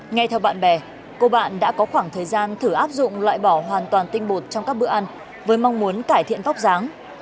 nghe theo bạn bè cô bạn đã có khoảng thời gian thử áp dụng loại bỏ hoàn toàn tinh bột trong các bữa ăn với mong muốn cải thiện vóc dáng